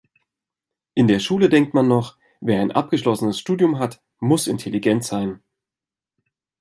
In der Schule denkt man noch, wer ein abgeschlossenes Studium hat, muss intelligent sein.